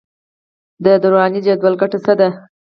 د دوراني جدول ګټه څه ده.